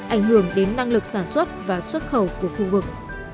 ảnh hưởng đến năng lực sản xuất và xuất khẩu của khu vực